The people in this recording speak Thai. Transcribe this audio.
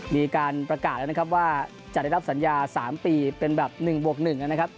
มีการประกาศแล้วนะครับว่าจะได้รับสัญญา๓ปีเป็นแบบ๑บวก๑นะครับ